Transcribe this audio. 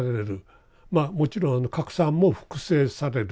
まあもちろん核酸も複製される。